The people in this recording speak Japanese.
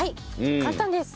簡単です。